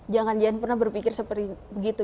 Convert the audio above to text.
jangan jangan pernah berpikir seperti begitu